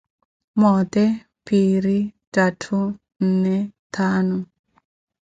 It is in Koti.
Mote, piiri, tatthu, nne, thaanu.